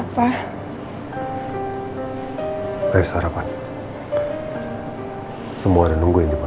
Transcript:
walaupun mama gak ada buat kamu